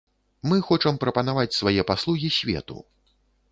Мы хочам прапанаваць свае паслугі свету.